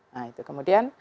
nah itu kemudian